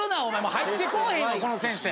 入ってこぅへんこの先生。